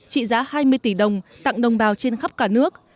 trị giá hai mươi tỷ đồng tặng đồng bào trên khắp cả nước